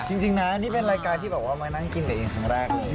จริงนะนี่เป็นรายการที่บอกว่ามานั่งกินแต่อย่างของแรกเลย